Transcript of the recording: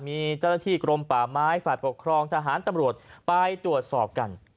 มีเจ้าหน้าที่กรมป่าไม้ฝ่ายปกครองทหารตำรวจไปตรวจสอบกัน